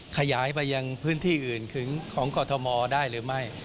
ขยายไปยังพื้นที่อื่นของกรทมได้หรือไม่